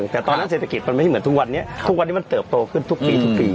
แต่ตอนนั้นเศรษฐกิจมันไม่ใช่เหมือนทุกวันนี้ทุกวันนี้มันเติบโตขึ้นทุกปีทุกปี